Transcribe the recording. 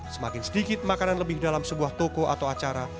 semakin sedikit makanan lebih dalam sebuah toko atau acara